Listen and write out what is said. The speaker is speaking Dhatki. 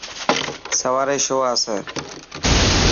سواري شو آسي.